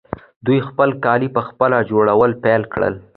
دوی خپل کالي پخپله جوړول پیل کړل.